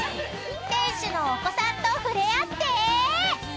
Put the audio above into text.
［店主のお子さんと触れ合って］